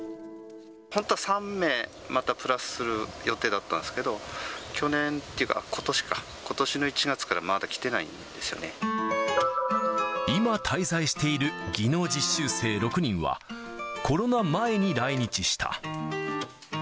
本当は３名、またプラスする予定だったんですけど、去年っていうか、ことしか、ことしの１月今、滞在している技能実習生６人は、コロナ前に来日した。